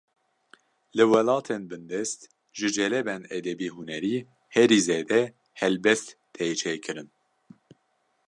Li welatên bindest, ji celebên edebî-hunerî herî zêde helbest tê çêkirin